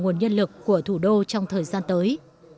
nguồn nhân lực của thủ đô trong thời gian tới